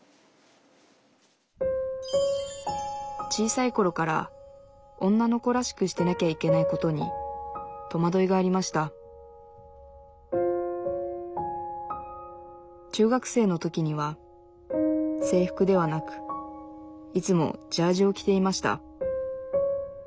小さいころから女の子らしくしてなきゃいけないことにとまどいがありました中学生の時には制服ではなくいつもジャージを着ていました